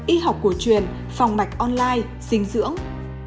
y học cổ truyền phòng mạch online dinh dưỡng